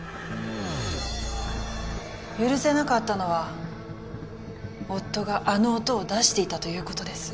許せなかったのは夫があの音を出していたということです。